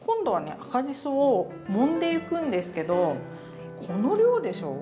赤じそをもんでいくんですけどこの量でしょ？